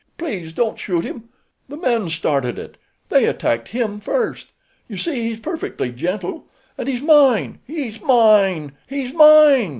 "Please don't shoot him. The men started it—they attacked him first. You see, he's perfectly gentle—and he's mine—he's mine—he's mine!